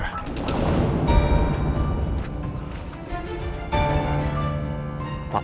tidak ada apa